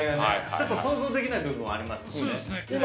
ちょっと想像できない部分もありますもんね。